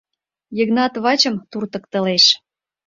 — Йыгнат вачым туртыктылеш.